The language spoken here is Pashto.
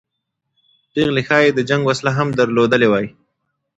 پېغلې ښایي د جنګ وسله هم درلودلې وای.